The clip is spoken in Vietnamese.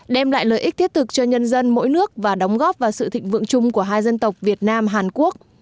đem lại lợi ích thiết thực cho nhân dân mỗi nước và đóng góp vào sự thịnh vượng chung của hai dân tộc việt nam hàn quốc